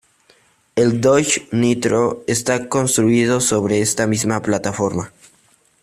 El Dodge Nitro está construido sobre esta misma plataforma.